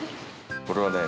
これはね